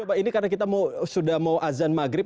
pak mabut ini karena kita sudah mau azan maghrib